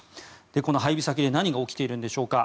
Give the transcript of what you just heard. この配備先で何が起きているんでしょうか。